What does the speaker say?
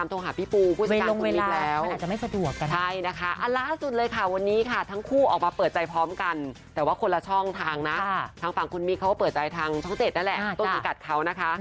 อันล้าจุดเลยค่ะวันนี้ค่ะทั้งคู่ออกมาเปิดใจพร้อมกัน